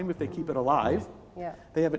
mereka memiliki penghasil